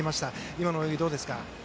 今の泳ぎ、どうですか？